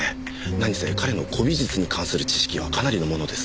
何せ彼の古美術に関する知識はかなりのものです。